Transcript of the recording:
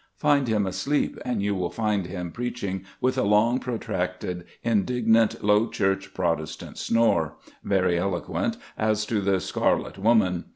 Find him asleep, and you will find him preaching with a long protracted, indignant, low church, Protestant snore, very eloquent as to the scarlet woman.